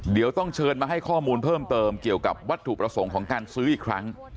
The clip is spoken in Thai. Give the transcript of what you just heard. เดี๋ยวต้องเชิญมาให้ข้อมูลเพิ่มเติมเกี่ยวกับวัตถุประสงค์ของการซื้ออีกครั้ง